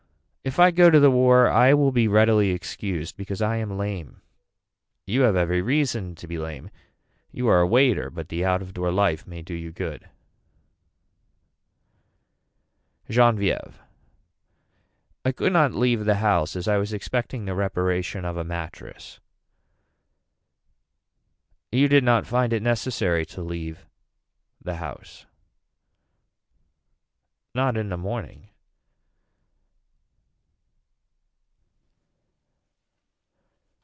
If I go to the war I will be readily excused because I am lame. You have every reason to be lame. You are a waiter but the out of door life may do you good. Genevieve. I could not leave the house as I was expecting the reparation of a mattress. You did not find it necessary to leave the house. Not in the morning.